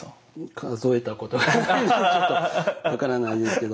数えたことないのでちょっと分からないですけど。